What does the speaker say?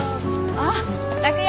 あっ拓哉！